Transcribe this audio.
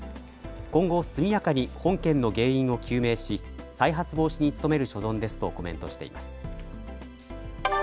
今後、速やかに本件の原因を究明し再発防止に努める所存ですとコメントしています。